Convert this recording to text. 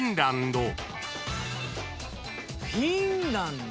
「フィンランド」